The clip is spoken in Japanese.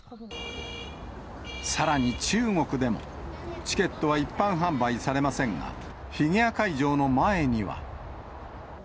さらに中国でも、チケットは一般販売されませんが、フィギュア会場の前には。